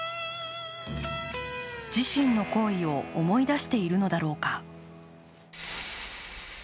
自身の行為を思い出しているのだろうか。